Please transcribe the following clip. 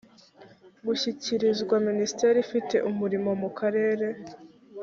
gushyikirizwa minisiteri ifite umurimo mu karere